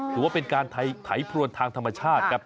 ถือว่าเป็นการไถพรวนทางธรรมชาติครับ